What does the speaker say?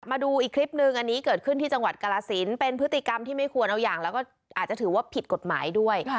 มาดูอีกคลิปนึงอันนี้เกิดขึ้นที่จังหวัดกรสินเป็นพฤติกรรมที่ไม่ควรเอาอย่างแล้วก็อาจจะถือว่าผิดกฎหมายด้วย